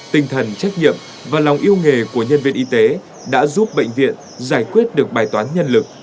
tinh thần trách nhiệm và lòng yêu nghề của nhân viên y tế đã giúp bệnh viện giải quyết được bài toán nhân lực